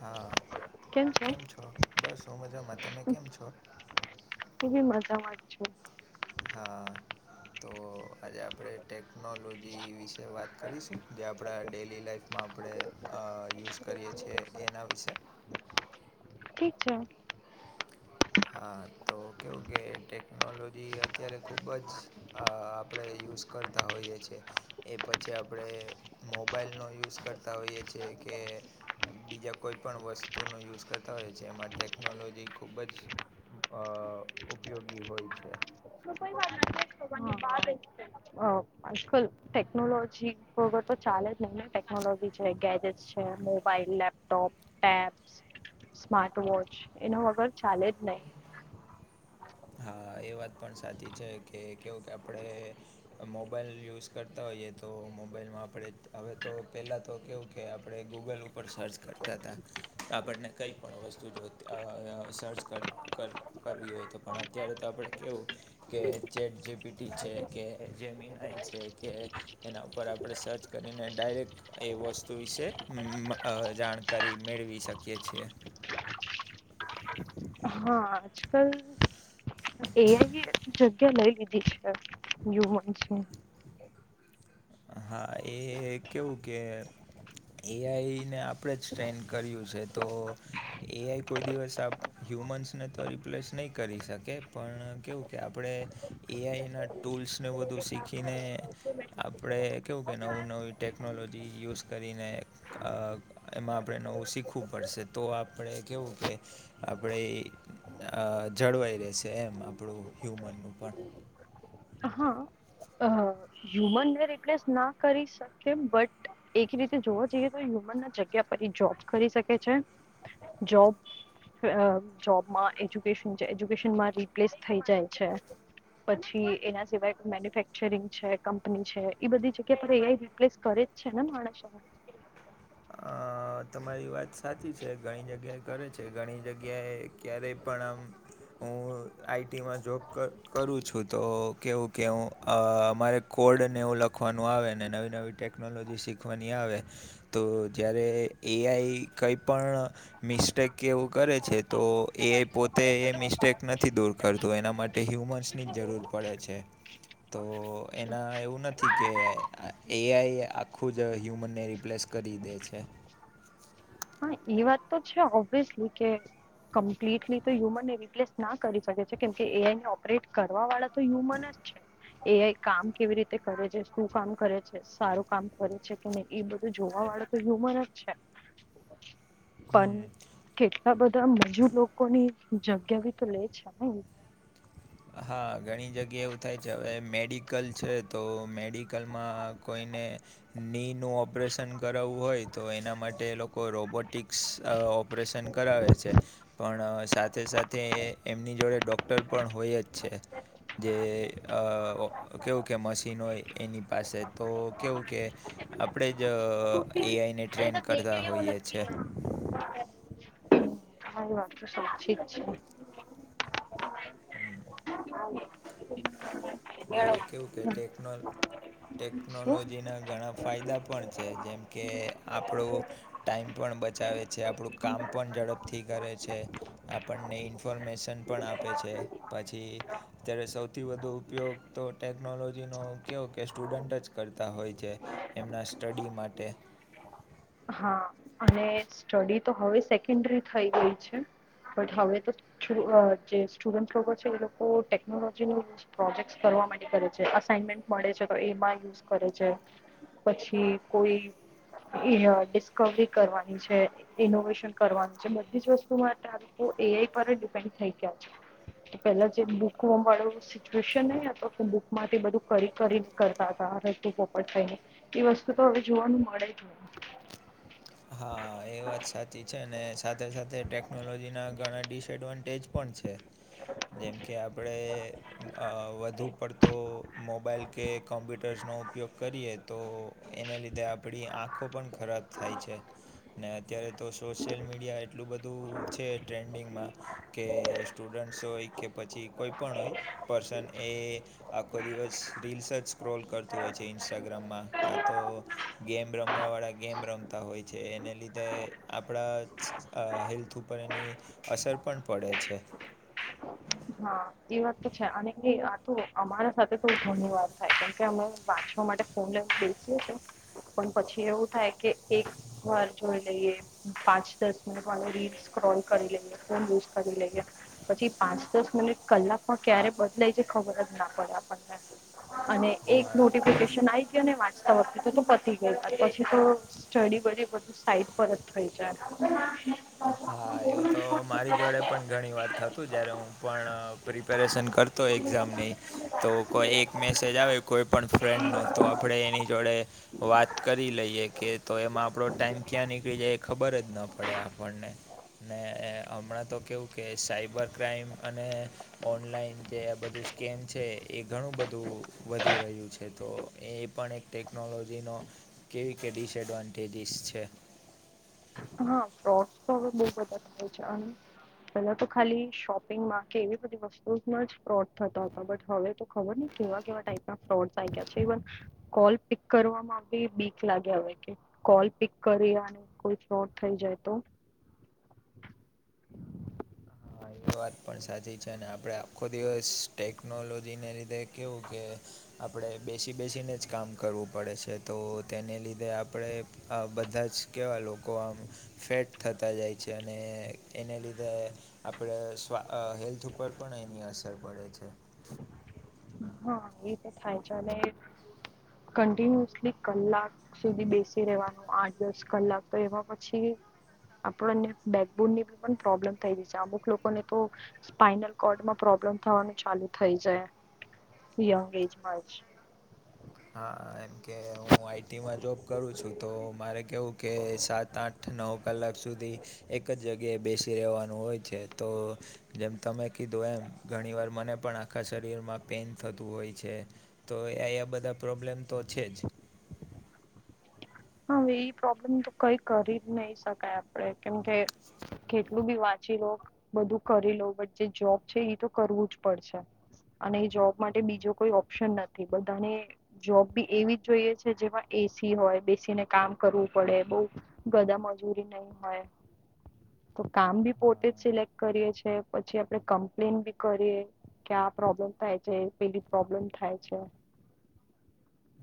હા હાલો કેમ છો? બસ હું મજામાં તમે કેમ છો હુબી મજામાં જ છુ. હા તો આજે આપણે ટેકનોલોજી વિશે વાત કરીશું જે આપણા ડેલી લાાઈફમાં આપણે યુઝ કરીએ છીએ એના વિશે ઠીક છે હા તો કેવું કે ટેકનોલોજી અત્યારે ખૂબ જ આપણે યુઝ કરતા હોઈએ છીએ એ પછી આપણે મોબાઈલનો યુઝ કરતા હોઈએ છીએ કે બીજા કોઈ પણ વસ્તુનો યુઝ કરતા હોય છીએમાં ટેકનોલોજી ખુબ જ અ ઉપયોગી હોય છે નું કોઈ સા [unintelligible] હ ખુલ ટેકનોલોજી બરોબર તો ચાલે જ નહી ને ટેકનોલોજી છે ગેજેટ છે mobile laptop tabs, smart watch એના વગર ચાલે જ નહી. હા એ વાત પણ સાચી છે કે કેવું કે આપડે મોબાઈલ યુઝ કરતા હોઈએ તો મોબાઈલમાં આપણે હવે તો પેલા તો કેવું કે આપણે ગૂગલ ઉપર સર્ચ કરતા હતા આપણને કંઈ પણ વસ્તુ જોતી સર્ચ કર કરવી હોય તો પણ અત્યારે તો આપણે કેવું કે ચેટ જેપીટી છે કે જેમીનાઈ છે કે એના ઉપર આપણે સર્ચ કરીને ડાયરેક્ટ એ વસ્તુ વિશે જાણકારી મેળવી શકીએ છીએ. હા આજકાલ એઆઈ જગ્યા લઈ લીધી છે હયુમન્સની હા એ કેવું કે એઆઈને આપણે જ ટ્રેન્ન કર્યું છે તો એઆઈ કોઈ દિવસ આપ હ્યુમન્સને તો રિપ્લેસ નહીં કરી શકે પણ કેવું કે આપણે એઆઈના ટૂલ્સને બધું શીખીને આપણે કેવું કે નવું નવી ટેકનોલોજી યુઝ કરીને એમાં આપણે નવું શીખવું પડશે તો આપણે કેવું કે આપણે જળવાઈ રહેેશે એમ આપણું હ્યુમનનું પણ હા હા હ્યુમનને રીપ્લેસ ના કરી શકે બટ એક રીતે જોવા જઈએ તો હ્યુમન ની જગ્યા પર જોબ કરી શકે છે જોબ જોબમાં એજ્યુકેશન એજ્યુકેશનમાં રિપ્લેસ થઈ જાય છે. પછી એના સિવાય મેન્યુફેક્ચરિંગ છે કંપની છે એ બધી જગ્યા પર એઆઈ રીપ્લેસ કરે જ છે ને માણસો [inaudible] અ તમારી વાત સાચી છે ઘણી જગ્યાએ કરે છે ઘણી જગ્યાએ ક્યારેય પણ આમ અ આઈટીમાં જોબ કરું છું તો કેવું કે હું મારે કોડને એવું લખવાનું આવે ને નવી નવી ટેકનોલોજી શીખવાની આવે તો જ્યારે એઆઈ કંઈ પણ મિસ્ટેક કેવું કરે છે તો એ પોતે એ મિસ્ટેક નથી દૂર કરતું એના માટે કે હ્યુમન્સની જ જરૂર પડે છે તો એના એવું નથી કે એઆઈ આખું જ હ્યુમનને રિપ્લેસ કરી દે છે હા એ વાત તો છે ઓબ્વિયસલી કે કમ્પ્લીટલી તો હ્યુમનને રીપ્લેસ ના કરી શકે છે કેમ કે એઆઈને ઓપરેટ કરવા વાળા તો હ્યુમન જ છે એ કામ કેવી રીતે કરે છે શું કામ કરે છે સારું કામ કરે છે કે એ બધું જોવા વાળો તો હ્યુમન જ છે પણ હમ કેટલા બધા મજુ લોકોની જગ્યા બી તો લે છે ને હા ઘણી જગ્યા એવું થાય છે હવે મેડિકલ છે તો મેડિકલમાં કોઈને ની ન ઓપરેશન કરાવવું હોય તો એના માટે એ લોકો રોબોટિક્સ ઓપરેશન કરાવે છે પણ સાથે સાથે એમની જોડે ડૉક્ટર પણ હોય જ છે જે કેવું કે મશીન હોય એની પાસે તો કેવું કે આપણેે જ અરે એઆઈ ને ટ્રેન કરતા હોઈએ છે હ તો સ ીક છે હમ ને કેવું કે ટેકનોલ શું ટેકનોલોજીના ઘણા ફાયદા પણ છે જેમ કે આપણું ટાઈમ પણ બચાવે છે આપણું કામ પણ ઝડપથી કરે છે આપણને ઇન્ફોર્મેશન પણ આપે છે પછી અત્યારે સૌથી વધુ ઉપયોગ તો ટેકનોલોજીનો કવો કે સ્ટુડન્ટ જ કરતા હોય છે એમના સ્ટડી માટે હા અને સ્ટડી તો હવે સેકન્ડરી થઈ ગઈ છે હવે તો જે સ્ટુડન્ટ લોકો છે એ લોકો ટેકનોલોજીની પ્રોજેક્ટ કરવા માટે કરે છે અસાઇનમેન્ટ મળે છે તો એમાં યુઝ કરે છે પછી કોઈ ડિસ્કવરી કરવાની છે ઇનોવેશન કરવાનું છે બધી જ વસ્તુ માટે આ લોકો એઆઈ પર ડિપેન્ડ થઈ ગયા છે તો પેલા જે મૂકવા મળડ્યું સિચુશન નહી કે બુક માંથી બધું કરી કરી નીકતા હતા રસ્તું પોપટ થઈને એ વસ્તુ તો હવે જોવાનું મળે જને હા [inaudible] એ વાત સાચી છે સાથે સાથે ટેકનોલોજીના ઘણા ડિસએડવાન્ટેજ પણ છે જેમ કે આપણે વધુ પડતો મોબાઈલ કે કોમ્પ્યુટર્સનો ઉપયોગ કરીએ તો એને લીધે આપણી આંખો પણ ખરાબ થાય છે ને અત્યારે તો સોશિયલ મીડિયા એટલું બધું છે ટ્રેન્ડિંગમાં કે સ્ટુડન્ટ્સ હોય કે પછી કોઈ પણ હોય પર્સન એ આખો દિવસ રીલ્સ જ સ્ક્રોલ કરતું હોય છે ઇન્સ્ટાગ્રામમાં કા તો ગેમ રમવા વાળા ગેમ રમતા હોય છે એને લીધે આપણા હેલ્થ ઉપર એની અસર પણ પડે છે હા એ વાત તો છે અને એ આ તો અમારા સાથે થ ઘણી વાર થાય કેમકે અમે વાંચવા માટે ફ લવ બેસીએ છે પણ પછી એવું થાય કે એક વાર જોઈ લઈએ પાંચ દસ મિનિટ વાળ રીડ સ્ક્રોલ કરી લઈએ ઝ કરી લઈએ પછી પાંચ દસ મિનિટ કલાક પણ ક્યારે બદલાય છે ખબર જ ના પડે આપણને અને એક હા એ નોટિફિકેશન આવી ગય અનેને વાટસઅપથી તો પતી ગઈ પછી તો સ્ટડી બધી બધું સાઈટ પરત થઈ જાય હા એવું તો મારી જોડે પણ ઘણી વાર થતું જયારે હું પણ પ્રિપેરેશન કરતો એક્ઝામની તો કોઈ એક મેસેજ આવે કોઈ પણ ફ્રેન્ડ નો તો આપડે એની જોડે વાત કરી લઈએ કે તો એમાં આપડો ટાઈમ ક્યાં નીકળી જાય એ ખબર જ ના પડે આપણને હમણાં તો કેવું કે સાયબર ક્રાાઈમ અને ઓનલાઈન જે આ બધું સ્કેમ છે એ ઘણું બધું વધી રહ્યું છે તો એ એ પણ એક ટેકનોલોજીનો કેવી કે ડિસએડવાન્ટેજીસ છે હા તો હવે બ બધા થાય છે અને પેલા તો ખાલી શોપિંગમાં કે એવી બધી વસ્તુમાં જ ફ્રોડ થતા હતા બટ હવે તો ખબર ને કેવા કેવા ટાઈપ ના ફ્રોડ્સ આ ગયા છે ઇવન કોલ પિક કરવામાં બી બીક લાગ્યા હોય કે કોલ પિક કરી કોઈ ફ્રોટ થઈ જાય તો હા એ વાત પણ સાચી છે અને આપણે આખો દિવસ ટેકનોલોજીને લીધે કવું કે આપણે બેસી બેસીને જ કામ કરવું પડે છે તો તેને લીધે આપણે આ બધા જ કેવા લોકો આમ ફેટ થતા જાય છે અને એને લીધે આપણે સ્વા હેલ્થ ઉપર પણ એની અસર પડે છે હા એ તો થાય છે અને કન્ટિન્યુઅસલી કલાક સુધી બેસી રહેવાનું આઠ દસ કલાક તો એમાં પછી આપણને બેકબોન નીી પણ પ્રોબ્લેમ થઈ ગ છે અમુક લોકોને તો સ્પાઈનલ કોર્ડ માં પ્રોબ્લેમ થવાનું ચાલુ થઈ જાય યંગ એજમાં જ હા એમકે હું આઈટીમાં જોબ કરું છું તો મારે કેવું કે સાત આઠ નવ કલાક સુધી એક જ જગ્યાએ બેસી રહેવાનું હોય છે તો જેમ તમે કીધું એમ ઘણી વાર મને પણ આખા શરીરમાં પેન થતું હોય છે તો એયા બધા પ્રોબ્લેમ તો છે જ હાવે એ પ્રોબ્લેમ તો કઈ કરી જ નહી શકાય આપડે કેમકે કેટલું બી વાંચી લો બધું કરી લો બટ જે જોબ છે એ તો કરવું જ પડશે અને જોબ માટે બીજો કોઈ ઓપ્શન નથી બધાને જોબ બી એવી જ જોઈએ છે જેમાં એસી હોય બેસી ને કામ કરવું પડે બઉ ગદા મજૂરી નહી હોય તો કામ બી પોતે જ સિલેક્ટ કરીએ છી પછી આપડે કમ્પ્લેન બી કરીએ કે આ પ્રોબ્લેમ થાય છે પેલી પ્રોબ્લેમ થાય છે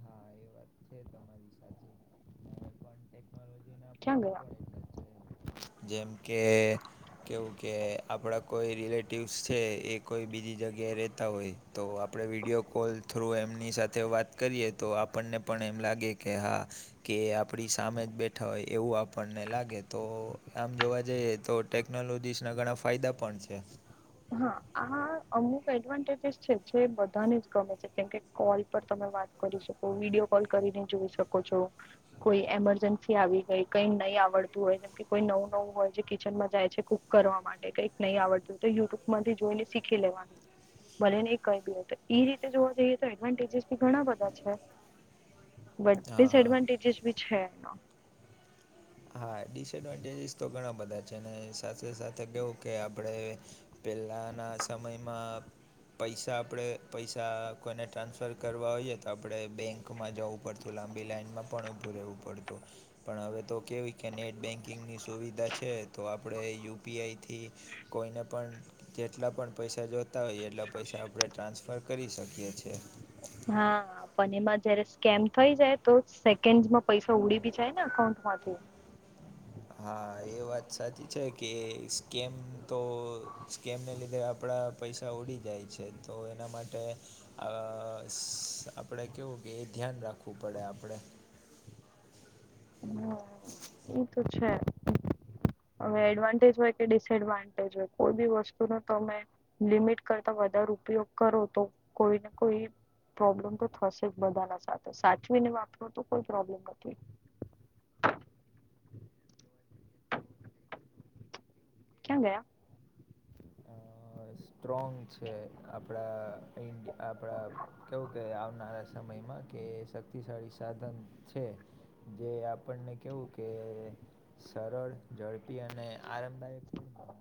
હા એ વાત છે તમારી સાથે મોબલ પણ ટેકનોલોજી ના ક્યાં ગયા જેમ કે કેવું કે આપણા કોઈ રિલેટિવ્સ છે એ કોઈ બીજી જગ્યાએ રહેતા હોય તો આપણે વિડીયો કોલ થ્રુ એમની સાથે વાત કરીએ તો આપણને પણ એમ લાગે કે હા કે આપડી સામે જ બેઠા હોય એવું આપણને લાગે તો આમ જોવા જઈએ તો ટેકનોલોજીસના ઘણા ફાયદા પણ છે હા આ અમુક એડવાન્ટેજસ છે જે બધાને જ ગમે છે જેમ કે કોલ પર તમે વાત કરી શકો વિડીયો કોલ કરીને જોઈ શકો છો કોઈ એમરજન્સી આવી ગઈ કઈ નહીં આવડતું હોય જેમ કે કોઈ નવું નવું હોય જે કિચનમાં જાય છે કરવા માટે કઈક નહી આવડતું તો યુટ્યુબ માંથી જોઈને શીખી લેવાનું ભલે નને કઈ બી તો એ રીતે જોવા જઈએ તો એડવાન્ટેજસી ઘણા બધા છે બ હા હા ડિએડવાટેજસ બ છે એના હા ડિસએડવાન્ટેજીસ તો ઘણા બધા છે સાથે સાથે કવું કે આપડે પેલા ના સમયમાં પૈસા આપણે પૈસા કોઈને ટ્રાન્સફર કરવા હોઈએ તો આપણે બેંક માં જવું પડતું લાંબી લાઈનમાં પણ ઉભું રહેવું પડતું પણ હવે તો કેવી કે નેટ બેન્કિંગની સુવિધા છે તો આપણે યુપીઆઈથી કોઈને પણ જેટલા પણ પૈસા જોતા હોઈએ એટલા પૈસા આપણે ટ્રાન્સફર કરી શકીએ છીએ હા પણ એમાં જયારે સ્કેમ થઈ જાય તો સેકન્ડમાં પૈસા ઉડી બી જાય ને અઉન્ટમાંથી હા એ વાત સાચી છે કે સ્કેમ તો સ્કેમને લીધે આપણા પૈસા ઉડી જાય છે તો એના માટે આ આપણેે કેવું કે એ ધ્યાન રાખવું પડે આપણેે હમ એ તો છે અવે એડવાન્ટેજ હોય કે ડિસેએડવાન્ટેજ હોય કોઈ બી વસ્તુ ન તમે લિમિટ કરતા વધારે ઉપયોગ કરો તો કોઈને કોઈ પ્રોબ્લેમ તો થશે જ બધાના સાથે સાચવીને વાપર તો કોઈ પ્રોબ્લેમ નથી ક્યા ગયા અ સ્ટ્રોંગ છે આપડા ઇન્ડ આપડા કેવું કે આવનારા સમયમાં કે શક્તિશાળી સાધન છે જે આપણને કેવું કે સરળ ઝડપી અને આરામદાયક પણ બને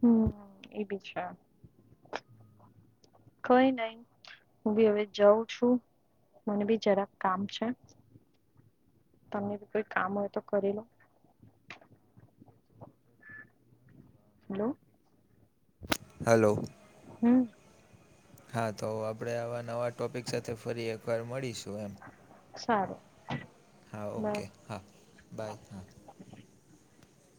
હમ એ બી છે કોઈ નહીં. હું બી હવે જઉં છું. મને બી જરાક કામ છે. તમે બી કોઈ કામ હોય તો કરી લો. હલો. હલો. હમ્મ. હા તો હવે આપણે આવા નવા ટોપિક સાથે ફરી એકવાર મળીશું એમ. સારું. હા, બાય ઓકે. હા, બાય હા.